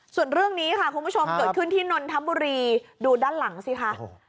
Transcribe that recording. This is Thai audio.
ส่วนเรื่องนี้ค่ะคุณผู้ชมเกิดขึ้นที่นนทบุรีดูด้านหลังสิคะ